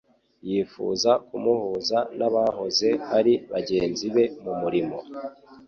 yifuza kumuhuza n'abahoze ari bagenzi be mu murimo.